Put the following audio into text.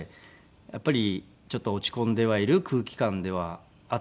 やっぱりちょっと落ち込んではいる空気感ではあったんですけど。